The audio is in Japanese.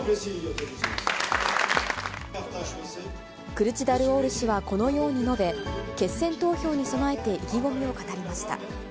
クルチダルオール氏は、このように述べ、決選投票に備えて意気込みを語りました。